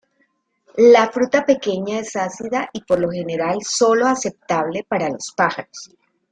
La fruta pequeña, es ácida y por lo general sólo aceptable para los pájaros.